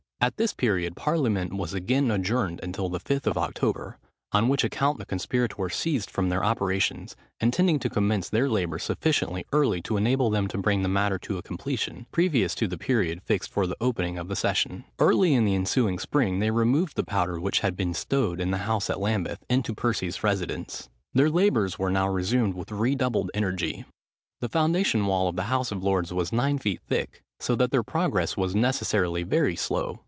At this period parliament was again adjourned until the Fifth of October; on which account the conspirators ceased from their operations, intending to commence their labours sufficiently early to enable them to bring the matter to a completion, previous to the period fixed for the opening of the session. Early in the ensuing spring, they removed the powder which had been stowed in the house at Lambeth, into Percy's residence. Their labours were now resumed with redoubled energy. The foundation wall of the House of Lords was nine feet thick, so that their progress was necessarily very slow.